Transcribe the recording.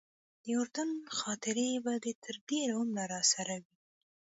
د اردن خاطرې به تر ډېره عمره راسره وي.